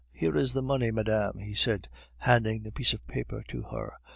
"Here is the money, madame," he said, handing the piece of paper to her.